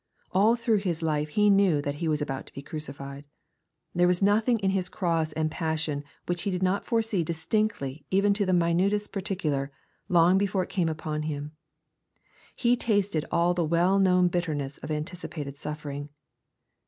AH through His life He knew that He was about to be crucified. There was nothing in His cross and passion which He did not foresee distinctly even to the minutest particular, long before it came upon Him. He tasted nil the well known bitterness of anticipated suffering.